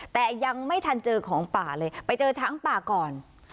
แต่ยังไม่ทันเจอของป่าเลยไปเจอช้างป่าก่อน